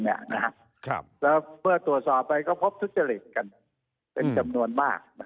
แล้วเมื่อตรวจสอบไปก็พบทุจริตกันเป็นจำนวนมาก